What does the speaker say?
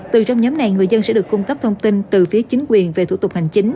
từ trong nhóm này người dân sẽ được cung cấp thông tin từ phía chính quyền về thủ tục hành chính